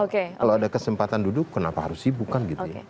kalau ada kesempatan duduk kenapa harus sibuk kan gitu ya